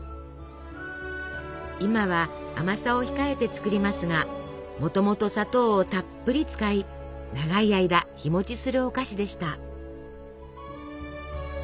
今は甘さを控えてつくりますがもともと砂糖をたっぷり使い長い間日もちするお菓子でした。